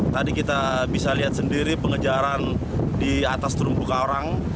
tadi kita bisa lihat sendiri pengejaran di atas terumbu karang